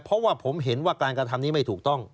เพราะว่าผมเห็นว่าการกระทำนี้ไม่ถูกต้อง